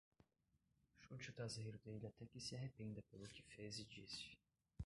Chute o traseiro dele até que se arrependa pelo que fez e disse